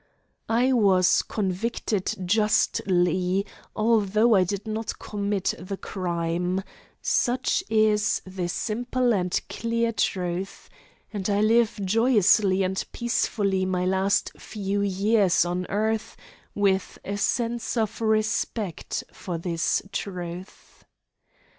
I was convicted justly, although I did not commit the crime such is the simple and clear truth, and I live joyously and peacefully my last few years on earth with a sense of respect for this truth.